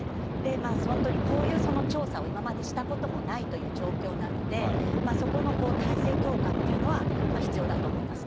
本当にこういう調査を今までしたこともないという状況なのでそこの体制強化というのは必要だと思います。